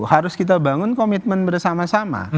harus kita bangun komitmen bersama sama